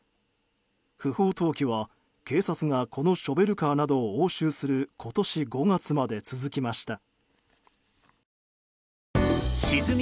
不法投棄は警察がこのショベルカーなどを押収する今年５月まで続きました。